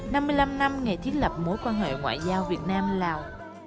năm mươi năm năm ngày thiết lập mối quan hệ ngoại giao việt nam lào